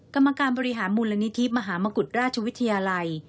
กรรมการบริหารมูลนิธิมหามกุฎราชวิทยาลัย